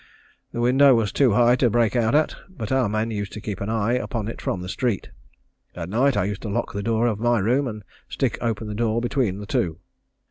The window was too high to break out at, but our men used to keep an eye upon it from the street. At night I used to lock the door of my room and stick open the door between the two.